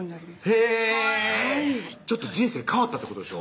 へぇはい人生変わったってことでしょ？